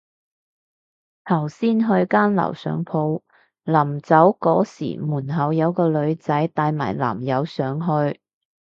頭先去間樓上鋪，臨走嗰時門口有個女仔帶埋男友上去